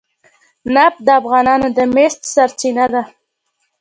نفت د افغانانو د معیشت سرچینه ده.